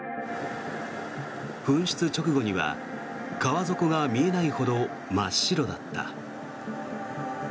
噴出直後には川底が見えないほど真っ白だった。